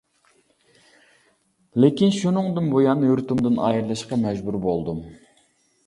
لېكىن شۇنىڭدىن بۇيان يۇرتۇمدىن ئايرىلىشقا مەجبۇر بولدۇم.